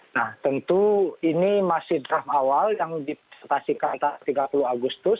nah tentu ini masih draft awal yang dipresentasikan tiga puluh agustus